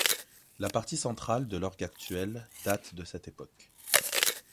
La partie centrale de l'orgue actuel date de cette époque.